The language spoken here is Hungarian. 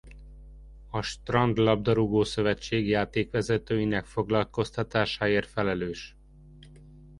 A strandlabdarúgó-szövetség játékvezetőinek foglalkoztatásáért felelős.